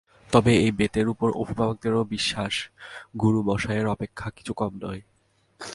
তবে এই বেতের উপর অভিভাবকদেরও বিশ্বাস গুরুমহাশয়ের অপেক্ষা কিছু কম নয়।